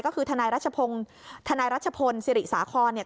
ก็คือทนายรัชพงศ์ทนายรัชพลศิริสาครเนี่ย